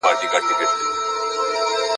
دا طلاوي تر کلونو نه ختمیږي!.